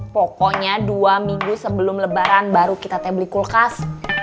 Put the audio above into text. pokoknya dua minggu sebelum lebaran baru kita tabli kulkas